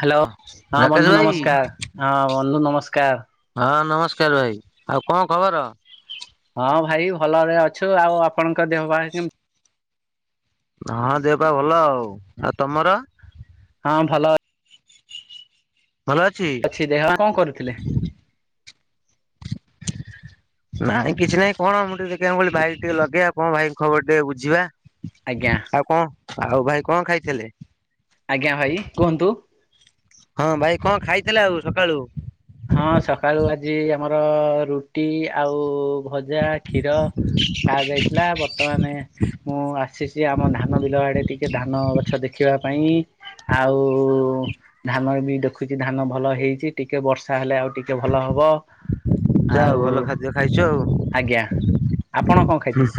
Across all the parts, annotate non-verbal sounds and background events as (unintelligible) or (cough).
Hello ହଁ ବନ୍ଧୁ ରାକେଶ ଭାଇ ନମସ୍କାର ହଁ ବନ୍ଧୁ ନମସ୍କାର (inaudible) ହଁ ନମସ୍କାର। ନମସ୍କାର ଭାଇ ଆଉ କଣ ଖବର। ହଁ ଭାଇ ଭଲରେ ଅଛୁ ଆଉ ଆପଣଙ୍କ ଦେହ ବା କେମିତି ହଁ ଦେହ ପା ଭଲ ଆଉ ଆଉ ତମର? ହଁ ଭଲ। ଅଛି ଦେହ କଣ କରୁଥିଲେ। (inaudible) ନାଇଁ କିଛି ନାଇଁ କଣ ମୁଁ ଟିକେ ଦେଖିବା କହ ଭାଇ ଟିକେ ଲଗେଇବା କଣ ଭାଇ ଖବର ଟିକେ ବୁଝିବା। ଆଜ୍ଞା ଆଉ କଣ ଆଉ ଭାଇ କଣ ଖାଇଥିଲେ? ଆଜ୍ଞା ଭାଇ କୁହନ୍ତୁ (inaudible) ହଁ ଭାଇ କଣ ଖାଇଥିଲେ ଆଉ ସକାଳୁ। ହଁ ସକାଳୁ ଆଜି ଆମର ରୁଟି ଆଉ ଭଜା କ୍ଷୀର ଖା ଯାଇଥିଲା ବର୍ତ୍ତମାନ ମୁଁ ଆସିଛି ଆମ ଧାନ ବିଲ ଆଡେ ଟିକେ ଧାନ ଗଛ ଦେଖିବାକୁ। ପାଇଁ ଆଉ ଧାନ ବି ଦେଖୁଛି ଧାନ ଭଲ ହେଇଛି ଟିକେ ବର୍ଷ ତାହେଲେ ଆଉ ଟିକେ ଭଲ ହବ। ଯାହା ହଉ ଆଉ ଭଲ ଖାଦ୍ୟ ଖାଇଛୁ ଆଉ ଆଜ୍ଞା ଆପଣ କଣ ଖାଇଥିଲେ।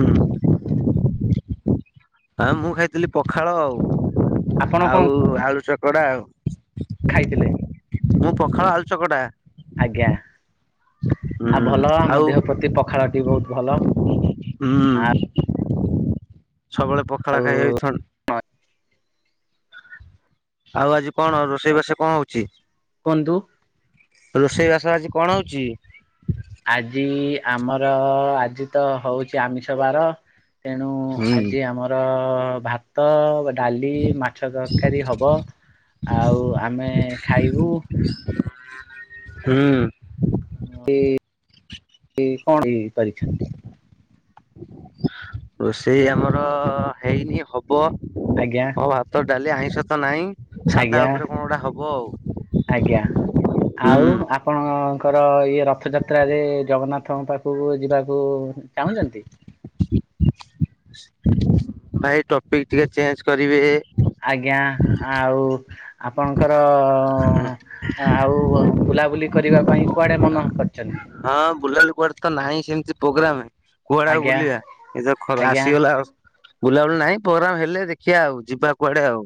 ହଁ ମୁଁ ଖାଇଥିଲି ପଖାଳ ଆଉ ଆପଣ କଣ ଆଉ ଆଳୁ ଚକଡା ଆଉ। ଖାଇଥିଲେ ମୁଁ ପଖାଳ ଆଲୁଚକଟା। ଆଜ୍ଞା (inaudible) ଆଉ ଭଲ ଆମ ଦେହ ପ୍ରତି ପଖାଳଟି ବହୁତ ଭଲ ହୁଁ। ସବୁବେଳେ ପଖାଳ ଖାଇ ଯାଉଛନ ଆଉ ଆଜି କଣ ରୋଷେଇବାସ କଣ ହଉଛି। କୁହନ୍ତୁ। ରୋଷେଇ ବାସ ଆଜି କଣ ହଉଛି। ଆଜି ଆମର ଆଜି ତ ହଉଛି ଆମିଷ ବାର ତେଣୁ ହୁଁ ଆଜି ଆମର ଭାତ ଡାଲି ମାଛ ତରକାରୀ ହବ ଆଉ ଆମେ ଖାଇବୁ। ହୁଁ। କଣଇ କରିଛନ୍ତି। ରୋଷେଇ ଆମର ହେଇନି ହବ ଆଜ୍ଞା ହଉ ଭାତ ଡାଲି ଆଇଁଷ ତ ନାହିଁ। ସାଧା ଆଜ୍ଞା ଉପରେ କଣ ଗୁଡା ହବ ଆଉ। ଆଜ୍ଞା ହୁଁ ଆଉ ଆପଣ। ଙ୍କର ଇଏ ରଥ ଯାତ୍ରାରେ ଜଗନ୍ନାଥଙ୍କ ପାଖକୁ ଯିବାକୁ ଚାହୁଁଛନ୍ତି ଭାଇ ଟପିକ ଟିକେ ଚେଞ୍ଜ କରିବେ। ଆଜ୍ଞା ଆଉ। ଆପଣଙ୍କର ଆଉ ବୁଲାବୁଲି କରିବା ପାଇଁ କୁଆଡ଼େ ମନ କରିଛନ୍ତି। ହଁ ବୁଲାଲୁ କୁଆଡେ ତ ନାହିଁ ସେମିତି ପ୍ରୋଗ୍ରାମ। କୁଆଡେକୁ ଆଜ୍ଞା ବୁଲିବା ଏତ ଖ ଆଜ୍ଞା ଆସିଗଲା ଆଉ। ବୁଲାବୁଲି ନାହିଁ ପ୍ରୋଗ୍ରାମ ହେଲେ ଦେଖିବା ଆଉ ଯିବା କୁଆଡେ ଆଉ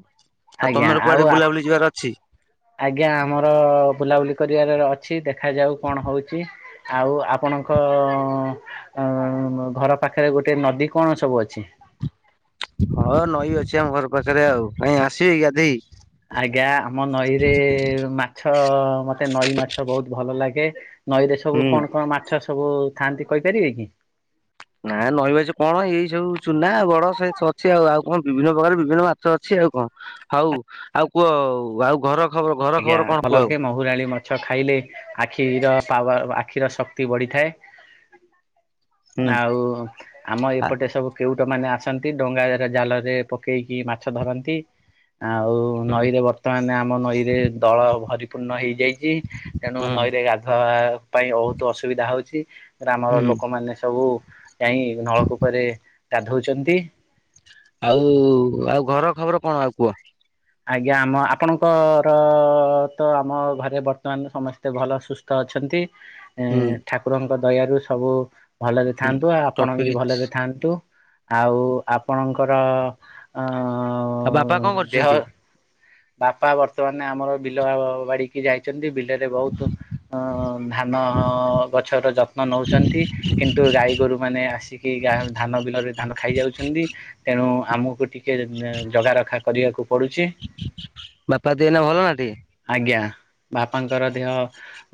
ଆଉ ତମର କୁଆଡେ। ବୁଲାବୁଲି ଯିବାର ଅଛି? ଆଜ୍ଞା ଆମର ବୁଲାବୁଲି କରି। ଓଡ଼ିଆରେ ଅଛି ଦେଖାଯାଉ କଣ ହଉଛି ଆଉ ଆପଣଙ୍କ। ଆମ ଘର ପାଖରେ ଗୋଟେ ନଦୀ କଣ ସବୁ ଅଛି। ହଁ ନଈ ଅଛି ଆମ ଘର ପାଖରେ ଆଉ କାଇଁ ଆସିବି ଗାଧେଇ। ଆଜ୍ଞା ଆମ ନଈରେ ମାଛ ମତେ ନଈ ମାଛ ବହୁତ ଭଲ ଲାଗେ। ନଈରେ ସବୁ ହୁଁ କଣ କଣ ମାଛ ସବୁ ଥାଆନ୍ତି କହିପାରିବେ କି। ନା ନଈବାଛି କଣ ଏଇ ସବୁ ଚୁନା ବଡ ସେଇ ଅଛି ଆଉ ଆଉ କଣ ବିଭିନ୍ନ ପ୍ରକାର ବିଭିନ୍ନ ମାଛ ଅଛି। ଆଉ କଣ ହଉ ଆଉ କୁହ ଆଉ ଘର? ଖବର ଘର ଆଜ୍ଞା ଖବର କଣ କୁହ ତଲଲ ଆଉ କେେ ମହୁୁରଣୀ ମାଛ ଖାଇଲେ ଆଖିର ପା। ଆକ୍ଷିର ଶକ୍ତି ବଢିଥାଏ ହୁଁ। ଆଉ ଆମ ଏପଟେ ସବୁ କେଉଠି ଲୋକମାନୋନେ ଆସନ୍ତି ଡଙ୍ଗା ଜାଲରେ ପକେଇକି ମାଛ ଧରନ୍ତି ଆଉ ହୁଁ ନଈରେ ବର୍ତ୍ତମାନ ଆମ ନଈ ଦଳ ଭରିପୂର୍ଣ୍ଣ ହେଇଯାଇଛି। ତେଣୁ ହୁଁ ନଈରେ ଗାଧୋଇବା ପାଇଁ ବହୁତ ଅସୁବିଧା ହଉଛି ଗ୍ରାମର ହୁଁ ଲୋକମାନେ ସବୁ ଯାଇ ନଳକୂପରେ ଗାଧଉଛନ୍ତି ଆଉ ଆଉ ଘର ଖବର କଣ ଆଉ କୁହ? ଆଜ୍ଞା ଆମ ଆପଣଙ୍କର ତ ଆମ ଘରେ ବର୍ତ୍ତମାନ ସମସ୍ତେ ଭଲ ସୁସ୍ଥ ଅଛନ୍ତି ଏ ହୁଁ ଠାକୁରଙ୍କ ଦୟାରୁ ସବୁ ଭଲରେ ହୁଁ। ଥାଆନ୍ତୁ ଆଉ ଆପଣ ବି ଟପିକ ଭଲରେ ଥାଆନ୍ତୁ। ଆଉ ଆପଣଙ୍କର ଅ ଆଉ ବାପା କଣ ଦେହ କରୁଛନ୍ତି ବାପା ବର୍ତ୍ତମାନ ଆମର ବିଲ ବାଡିିକି ଯାଇ। ବିଲରେ ବ ଧ ଗଛ ଯ ନୁ ଗାଈ ଗୋରୁ ମାନେ ଆସିକି ଗା ଧାନ ବିଲରେ ଧାନ ଖାଇଯାଉଛନ୍ତି ତେଣୁ ଆମକୁ ଟିକେ ଜଗା ରଖା କରିବାକୁ ପଡୁଛି ବାପା ଦିଏ ନା ଭଲ ନାଠ ଆଜ୍ଞା ବାପାଙ୍କର ଦେହ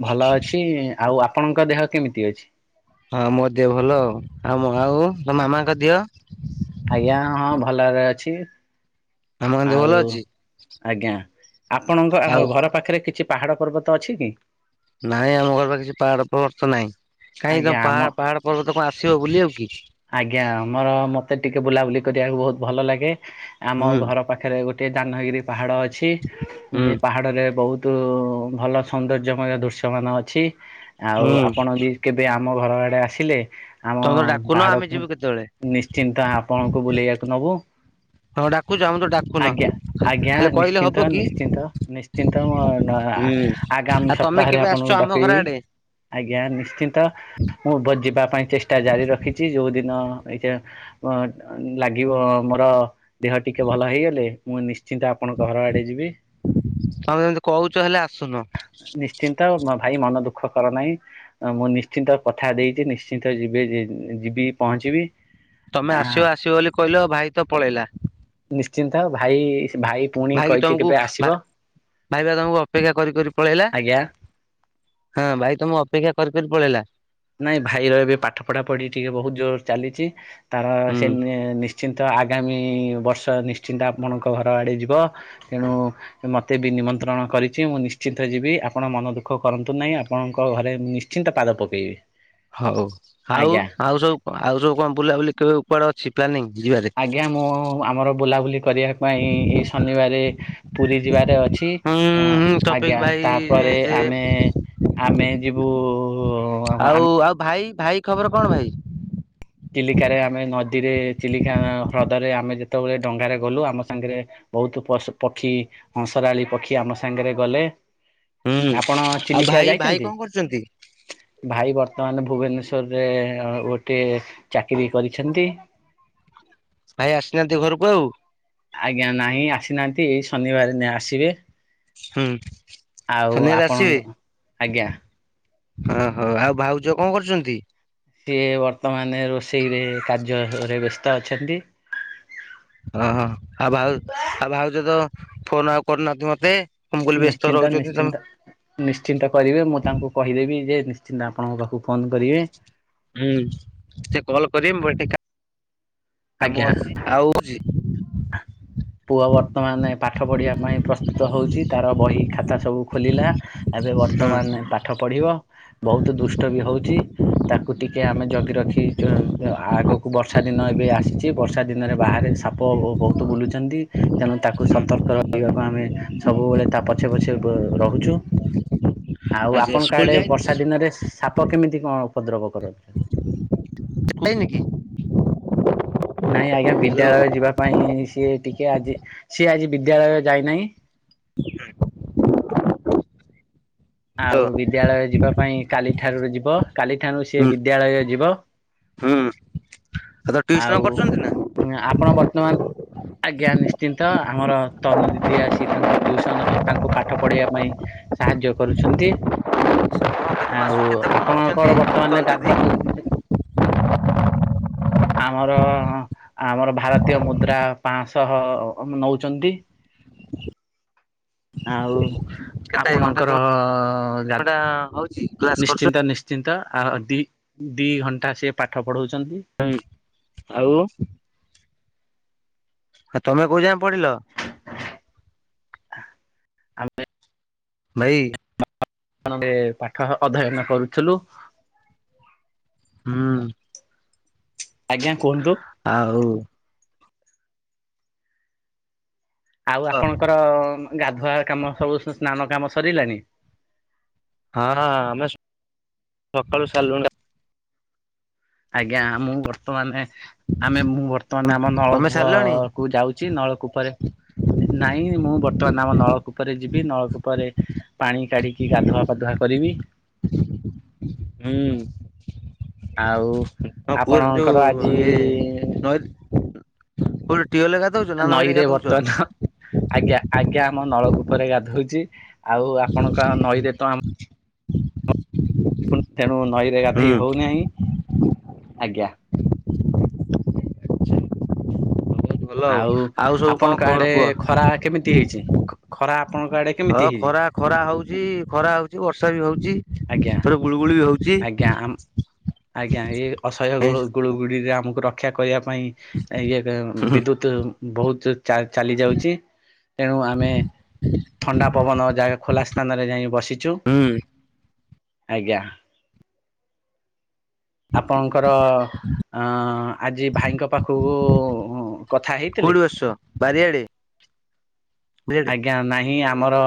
ଭଲ ଅଛି ଆଉ। ଆପଣଙ୍କ ଦେହ କେମିତି ଅଛି। ହଁ ମୋ ଦେହ ଭଲ ଆଉ ଆଉ ଆଉ ତ ମାମାଙ୍କ ଦିଅ? ଆଜ୍ଞା ହଁ ଭଲରେ ଅଛି। ଆମ କ ଆଉ ଭଲ ଅଛି। ଆଜ୍ଞା ଆପଣଙ୍କ ଆଉ ଘର ପାଖରେ କିଛି ପାହାଡ ପର୍ବତ ଅଛି କି। ନାଇଁ ଆମ ଘର ବା କିଛି ପାହାଡ ପବର୍ ତ ନାହିଁ। କାଇହିଁକି ତମ ଆଜ୍ଞା ଆମ ପାହା ପାହାଡ ପର୍ବ ତ କଣ ଆସିବ ବୁଲି ଆଉ କି। ଆଜ୍ଞା ଆମର ମୋତେ ଟିକିେ ବୁଲାବୁଲି କରିବାକୁ ବହୁତ ଭଲ ଲାଗେ ଆମ ହୁଁ ଘର ପାଖରେ ଗୋଟଏ ଦହାନଗିରି ପାହାଡ଼ ଅଛି ହୁଁ ଯେ ପାହାଡ଼ରେ ବହୁତ ଭଲ ସୌନ୍ଦର୍ଯ୍ୟମୟ ଦୃଶ୍ୟମାନ ଅଛି ଆଉ ହୁଁ। ଆପଣ ବି କେବେ ଆମ ଘର ଆଡ଼େ ଆସିଲେ ଆମ ତମେ ତ ଡାକୁନ ଆମେ ପାହାଡକୁ ଯିବୁ କେତେବେଳେ ନିଶ୍ଚିନ୍ତ ଆପଣଙ୍କୁ ବୁଲେଇବାକୁ ନବୁ। ତମେ ଡାକୁଛ ଆମକୁ ତ ଡାକୁନ। ଆଜ୍ଞା ଆଜ୍ଞା ଖାଲି କହିଲେ ନିଶ୍ଚିନ୍ତ ହବ କି ନିଶ୍ଚିନ୍ତ ନିଶ୍ଚିନ୍ତ। ଆଗାମୀ ଆଉ ତମେ ସପ୍ତାହରେ କେବେ ଆସୁଛ ଆପଣଙ୍କୁ ଆମ ଘର ଡକେଇବି ଆଡେ ଆଜ୍ଞା ନିଶ୍ଚିନ୍ତ। ମୁଁ ବଜିବା ପାଇଁ ଚେଷ୍ଟା ଜାରି ରଖିଛି ଯୋଉ ଦିନ ଏଛା ଲାଗିବ ମୋର ଦେହ ଟିକେ ଭଲ ହେଇଗଲେ ମୁଁ ନି୍ଚ ନିଶ୍ଚିନ୍ତ ଆପଣଙ୍କ ଘର ଆଡେ ଯିବି ତମେ ଯେମିତି କହୁଛ ହେଲେ ଆସୁନ ନିଶ୍ଚିନ୍ତ। ଭାଇ ମନ ଦୁଃଖ କର ନାହିଁ ମୁଁ ନି ନିଶ୍ଚିନ୍ତ କଥା ଦେଇଛି ନିଶ୍ଚିନ୍ତ ଯିବେ ଯିବି ପହଞ୍ଚିବି। ତମେ ଆ ଆସିବ ଆସିବ ବୋଲି କହିଲ ଭାଇ ତ ପଳେଇଲା। ଚିନ୍ତା ଭାଇ ଭାଇ ପୁଣି ଭାଇକ କହିଛି ତମକୁ କେବେ ଆସିବ ଭାଇବା ତମକୁ ଅପେକ୍ଷା କରି କରି ପଳେଇଲା। ଆଜ୍ଞା ହଁ ଭାଇ ତମକୁ ଅପେକ୍ଷା କରି କରି ପଳେଇଲା। ନାଇଁ ଭାଇର ଏବେ ପାଠ ପଢା ପଢି ଟିକେ ବହୁତ ଜୋର ଚାଲିଛି ତାର ହୁଁ ସେ ନିଶ୍ଚିନ୍ତ ଆଗାମୀ ବର୍ଷ ନିଶ୍ଚିନ୍ତ ଆପଣଙ୍କ ଘର ଆଡ଼େ ଯିବ ତେଣୁ ମୋତେ ବି ନିମନ୍ତ୍ରଣ କରିଛି ମୁଁ ନିଶ୍ଚିନ୍ତ ଯିବି ଆପଣ ମନ ଦୁଃଖ କରନ୍ତୁ ନାହିଁ ଆପଣଙ୍କ ଘରେ ମୁ ନିଶ୍ଚିନ୍ତ ପାଦ ପକାଇବି। ହଉ ଆଉ ଆଉ ସବୁ ଆଉ ସବୁ କଣ ବୁଲାବୁଲି କେବେ ଉପଡେ ଅଛି ପ୍ଲାନିଂ? ଯିବାରେ ଆଜ୍ଞା ମୁଁ ଆମର ବୁଲାବୁଲି କରିବା ପାଇଁ ଶନିବାର ପୁରୀ ଯିବାରେ ଅଛି ହୁଁ ହୁଁ ଟପିକ ଆଜ୍ଞା ଭାଇ ତାପରେ ଯେ ଆମେ ଆମେ ଯିବୁ ଆଉ ଆେ ଆଉ ଭାଇ ଭାଇ ଖବର କଣ ଭାଇ? ଚିଲିକାରେ ଆମେ ନ ନଦୀରେ ଚିଲିକା ହ୍ରଦରେ ଆମେ ଯେତେବେଳେ ଡଙ୍ଗାରେ ଗଲୁ ଆମ ସାଙ୍ଗରେ ବହୁତ ପ ପକ୍ଷୀ ହଁସରାଳି ପକ୍ଷୀ ଆମ ସାଙ୍ଗରେ ଗଲେ। ହୁଁ ଆପଣ ଆଉ ଚିଲିକା ଭାଇ ଭାଇ ଯାଇଛନ୍ତି କଣ କରୁଛନ୍ତି ଭାଇ ବର୍ତ ମାନେ ଭୁବନେଶ୍ଵରରେ ଗୋଟେ ଚାକିରୀ କରିଛନ୍ତି। ଭାଇ ଆସିନାହାନ୍ତି ଘରକୁ ଆଉ? ଆଜ୍ଞା ନାହିଁ ଆସିନାହାନ୍ତି ଶନିବାର ଆସିବେ। ହୁଁ ଆଉ ଶନିବାର ଆସିବେ? ଆପଣଙ୍କ ଆଜ୍ଞା ଓ ହୋ ଆଉ ଭାଉଜ କଣ କରୁଛନ୍ତି? ସିଏ ବର୍ତ୍ତମାନ ରୋଷେଇରେ କାର୍ଯ୍ୟରେ ବ୍ୟସ୍ତ ଅଛନ୍ତି। ଓ ହ ଆଉ ଭାଉ ଆଉ ଭାଉଛ ତ ଫୋନ ଆଉ କରୁନାହାନ୍ତି ମତେ। ମୁଁ କହିଲି ବ୍ୟସ୍ତ ନିଶ୍ଚିନ୍ତ ରହୁଛନ୍ତି ତମେ ନିଶ୍ଚିନ୍ତ ନିଶ୍ଚିନ୍ତ କରିବେ ମୁଁ ତାଙ୍କୁ କହିଦେବି ଯେ ତା ଆପଣଙ୍କ ପାଖକୁ ଫୋନ କରିବେ। ହୁଁ ସେ କଲ୍ କରିବେ ମୁଁ ଟିକେ କାମ ଆଜ୍ଞା ଅଛି ଆଉ ହଉଛି। ପୁଅ ବର୍ତ୍ତମାନ ପାଠ ପଢିବା ପାଇଁ ପ୍ରସ୍ତୁତ ହଉଛି ତାର ବହି ଖାତା ସବୁ ଖୋଲିଲା। ଏବେ ହଁ ବର୍ତ୍ତମାନ ପାଠ ପଢିବ ବହୁତ ଦୁଷ୍ଟ ବି ହଉଛି। ତାକୁ ଟିକେ ଆମେ ଜଗି ରଖି ଆଗକୁ ବର୍ଷା ଦିନ ଏବେ ଆସିଛି ବର୍ଷା ଦିନରେ ବାହାରେ ସାପ ବହୁତ ବୁଲ ତେଣୁ ତାକୁ ହୁଁ ସତର୍କ ରହିବାକୁ ଆମେ ସବୁବେଳେ ତା ପଛେ ପଛେ ରହୁଛୁ। (inaudible) ଆଉ ଆଚ୍ଛା ଆପଣ ସ୍କୁଲ କାଆଡେ ଯାଇନି ବର୍ଷା ଦିନରେ ସାପ କେମିତି କଣ ଉପଦ୍ରବ କରନ୍ତୁ। ନନ କିି ନାଇଁ ଆଜ୍ଞା ବିଦ୍ୟାଳୟ ଯିବା ପାଇଁ ସିଏ ଟିକେ ଆଜି ସିଏ ଆଜି ବିଦ୍ୟାଳୟରେ ଯାଇନାହିଁ। (inaudible) ହ୍ୟାଲୋ ଆଉ ବିଦ୍ୟାଳୟ ଯିବା ପାଇଁ କାଲିଠାରୁାରୁ ଯିବ। କାଲି ଠାରୁ ସିଏ ହୁଁ ବିଦ୍ୟାଳୟ ଯିବ। ହୁଁ ତ ଟିଉସନ ଆଉ କରୁଛନ୍ତି ନା? ଆପଣ ବର୍ତ୍ତମାନ ଆଜ୍ଞା ନିଶ୍ଚିନ୍ତ ଆମର ତନୁ ଦିଦି ଆସି ତାଙ୍କୁ ଟ୍ୟୁସନ୍ ତାଙ୍କୁ ପାଠ ପଢ଼ାଇବା ପାଇଁ ସାହାଯ୍ୟ କରୁଛନ୍ତି। ଆଉ କେତେ ଆପଣଙ୍କର କଣ ବର୍ତ୍ତମାନ ନଉଛନ୍ତି ଗାଧୁଆ ଯଦି ଆମର ଆମର ଭାରତୀୟ ମୁଦ୍ରା ପାଞ୍ଚଶହ ନଉଛନ୍ତି। ଆଉ କେତେ ଘଣ୍ଟା ଆପଣଙ୍କର ଦି ଘଣ୍ଟା ହଉଛି କ୍ଲାସ କରୁଛ ନିଶ୍ଚିନ୍ତ ନିଶ୍ଚିନ୍ତ। ଆଉ ଦି ଦି ଘଣ୍ଟା ସିଏ ପାଠ ପଢଉଛନ୍ତି (unintelligible) ଆଉ ଆ ତମେ କୋଉ ଯାଏ ପଡିଲ? ଆମେ ଭାଇ (unintelligible) ନରେ ପାଠ ଅଧ୍ୟୟନ କରୁଥିଲୁ। ହୁଁ। ଆଜ୍ଞା କୁହନ୍ତୁ। ଆଉ ଆଉ ହଁ ଆପଣଙ୍କର ଗାଧୁଆ କାମ ସବୁ ସ୍ନାନ କାମ ସରିଲାଣି? ହଁ ହଁ ଆମେ ସକାଳୁ ସାରିଲୁଣି ଆଜ୍ଞା ମୁଁ ବର୍ତ୍ତମାନେ ଆମେ ମୁଁ ବର୍ତ୍ତମାନ ଆମ ତମେ ନଳକୂପ ସାରିଲଣି? କୁ ଯାଉଛି ନଳ କୂପରେ ନାଇଁ ମୁଁ ବର୍ତ୍ତମାନ ଆମ ନଳକୂ ଉପରେ ଯିବ ନଳକୂପରେ ପାଣି କାଢିକି ଗାଧୁଆ ପାଧୁଆ କରିବି। ହୁଁ। ଆଉ ହଁ କୁଅର୍ ଆପଣଙ୍କର ଯୋଉ ଆଜି ଇଏ (unintelligible) ନା ନଈରେ ଗାଧଉଛ? ବର୍ତ୍ତମାନ ଆଜ୍ଞା ଆଜ୍ଞା। ମ ନଳକୂପରେ ଗାଧଉଚି ଆଉ ଆପଣଙ୍କ ଆ ନଈରେ ତ ଆମ ପୁ ତେଣୁ ନଈରେ ହୁଁ। ଗାଧେଇ ହଉନାହିଁ ଆଜ୍ଞା। ବହୁତ ଭଲ ଆଉ ସବୁ କଣ ଆପଣଙ୍କ ଖବର ଆଡେ କୁହ? ଖରା କେମିତି ହେଇଚି ଖ ଖରା ଆପଣଙ୍କ ଆଡେ କେମିତି ହେଇଚି ରା ଖରା ହଉଚି ଖରା ହଉଚି ବର୍ଷା ବି ହଉଚି ଆଜ୍ଞା ଥରେ ଗୁଳୁଗୁଳି ବି ହଉ ଆଜ୍ଞା ଆମ୍ ଆଜ୍ଞା ଏ ଅସହ୍ୟ ଗୁ ଗୁଳ ଗୁଳିରେ ଆମକୁ ରକ୍ଷା କରିବା ପାଇଁ ଇଏ ଏ ଇଁ ବିଦ୍ୟୁତ ବହୁତ ଚା ଚାଲି ଯାଉଚି। ତେଣୁ ଆମେ ଥଣ୍ଡା ପବନ ଯା ଖୋଲା ସ୍ଥାନରେ ଯାଇଁ ବସିଚୁ। ହୁଁ। ଆଜ୍ଞା। ଆପଣଙ୍କର ଅଁ ଆଜି ଭାଇଙ୍କ ପାଖକୁ ଉ କଥା ହେଇଥିଲେ? କୋଉଠି ବସିଛ ବାରିଆଡେ। ଆଜ୍ଞା ନାହିଁ ଆମର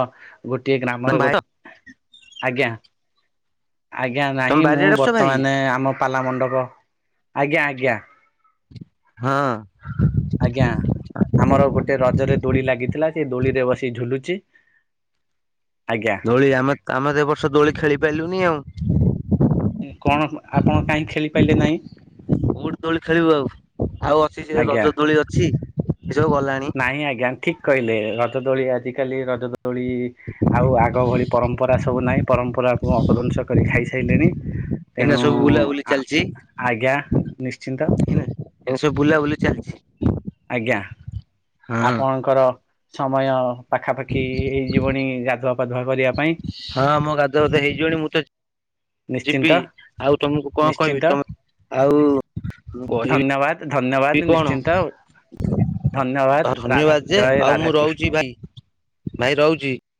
ଗୋଟିଏ ତମ ଗ୍ରାମରେ ଗୋ ଭାଇ ଆଜ୍ଞା ଆଜ୍ଞା ତମେ ନାହିଁ ମୁଁ ବାରିଆଡେ ବସିଛ ଭାଇ? ବର୍ତ୍ତମାନେ ଆମ ପାଲା ମଣ୍ଡପ ଆଜ୍ଞା ଆଜ୍ଞା। ହଁ। ଆଜ୍ଞା ଆମର ଗୋଟେ ରଜରେ ଦୋଳି ଲାଗିଥିଲା ସେ ଦୋଳିରେ ବସି ଝୁଲୁଚି। ଦୋଳି ଆମତ୍ ଆମେ ତ ଏ ବର୍ଷ ଦୋଳି ଖେଳି ପାଇଲୁନି ଆଉ। କଣ ଆପଣ କାହିଁ ଖେଳିପାରିଲେ ନାହିଁ? କୋଉଠି ଦୋଳି ଖେଳିବୁ ଆଉ। ଆଉ ଅଛି ସେ ଆଜ୍ଞା ରଜ ଦୋଳି ଅଛି ଏସବୁ ଗଲାଣି। ନାହିଁ ଆଜ୍ଞା ଠିକ କହିଲେ ରଜଦୋଳି ଆଜିକାଲି ରଜ ଦୋ ଦୋଳି ଆଉ ଆଗ ଭଳି ପରମ୍ପରା ସବୁ ନାହିଁ ପରମ୍ପରାକୁ ଅପଧ୍ୱଂସ କରି ଖାଇସାରିଲେଣି। ଏଇନା ତେଣୁ ସବୁ ବୁଲାବୁଲି ଆ ଚାଲିଛି। ଆଜ୍ଞା ନିଶ୍ଚିନ୍ତ। ଏନ୍ତି ସବୁ ବୁଲାବୁଲି ଚାଲିଛି। ଆଜ୍ଞା ହଁ ଆପଣଙ୍କର ସମୟ ପାଖାପାଖି ଏଇ ଜୀବଣୀ ଗାଧୁଆ ପାଧୁଆ କରିବା ପାଇଁ। ହଁ ମୋ ଗାଧୁଆ ପାଧୂଆ ହେଇଯିବଣି ମୁଁ ତ ଯିବି ନିଶ୍ଚିନ୍ତ ଆଉ ତମକୁ କଣ କହିବି ନିଶ୍ଚିନ୍ତ ତମେ ଆଉ ମୁ କହିବିି ଧନ୍ୟବାଦ (inaudible) ଧନ୍ୟବାଦ କି କଣ? ନିଶ୍ଚିନ୍ତ ଧନ୍ୟବାଦ। ଆଉ ରାଧା ଧନ୍ୟବାଦ ଯେ ଜୟ ଆଉ ମୁଁ ରାଧାକୃଷ୍ଣ ରହୁଛି ଭାଇ ଭାଇ ରହୁଛି